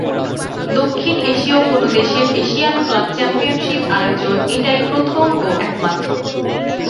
দক্ষিণ এশীয় কোনো দেশের এশিয়ান ক্লাব চ্যাম্পিয়নশিপ আয়োজন এটাই প্রথম ও একমাত্র।